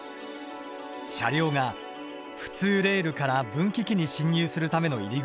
車両が普通レールから分岐器に進入するための入り口だ。